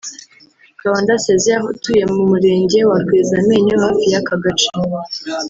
Kabanda Césaire utuye mu Murenge wa Rwezamenyo hafi y’aka gace